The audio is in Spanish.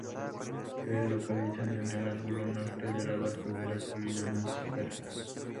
Se localizan en el ángulo Norte de la base de la colina municipal.